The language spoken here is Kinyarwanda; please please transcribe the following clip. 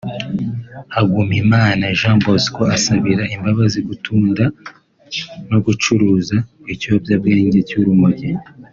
Hagumimana Jean Bosco asabira imbabazi gutunda no gucuruza ikiyobyabwenge cy’urumogi